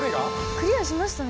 クリアしましたね。